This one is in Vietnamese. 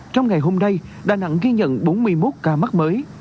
trong ngày hôm nay đà nẵng ghi nhận bốn mươi một ca mắc mới